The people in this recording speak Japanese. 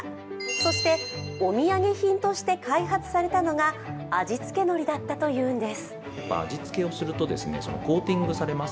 そして、お土産品として開発されたのが味付けのりだったというんです。